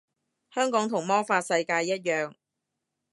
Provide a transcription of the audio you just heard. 香港同魔法世界一樣